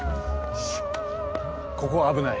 ここは危ない。